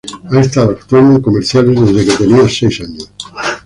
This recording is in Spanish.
Ha estado actuando en comerciales desde que tenía seis.